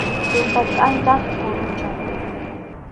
Tuta kʼanchaq kurucha.